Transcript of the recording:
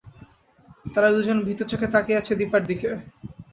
তারা দু জন ভীত চোখে তাকিয়ে আছে দিপার দিকে।